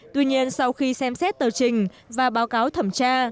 tuy nhiên sau khi xem xét tờ trình và báo cáo thẩm tra